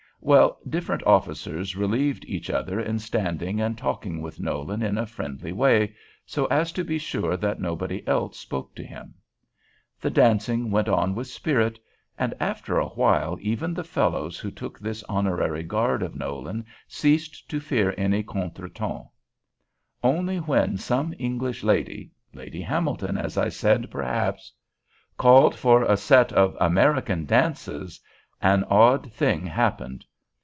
Well, different officers relieved each other in standing and talking with Nolan in a friendly way, so as to be sure that nobody else spoke to him. The dancing went on with spirit, and after a while even the fellows who took this honorary guard of Nolan ceased to fear any contretemps. Only when some English lady Lady Hamilton, as I said, perhaps called for a set of "American dances," an odd thing happened.